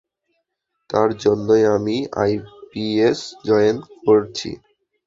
তার জন্যই আমি আইপিএস জয়েন করছি।